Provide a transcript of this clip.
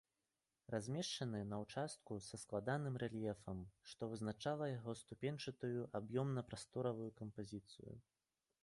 Размешчаны на ўчастку са складаным рэльефам, што вызначыла яго ступеньчатую аб'ёмна-прасторавую кампазіцыю.